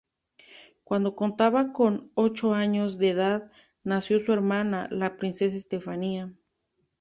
Cuando contaba con ocho años de edad, nació su hermana, la princesa Estefanía.